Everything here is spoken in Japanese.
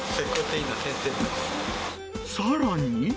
さらに。